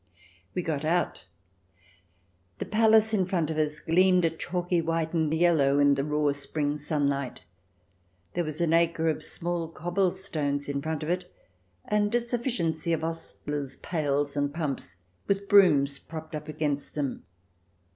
We got out. The palace in front of us gleamed a chalky white and yellow in the raw spring sunlight. There was an acre of small cobblestones in front of it, and a sufficiency of ostler's pails and pumps, with brooms propped up against them.